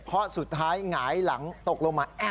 เพราะสุดท้ายหงายหลังตกลงมา